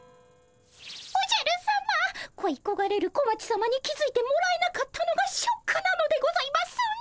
おじゃるさまこいこがれる小町さまに気付いてもらえなかったのがショックなのでございますね。